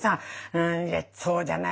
うんいやそうじゃない。